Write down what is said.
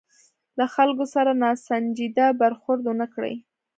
له خلکو سره ناسنجیده برخورد ونه کړي.